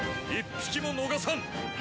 １匹も逃がさん。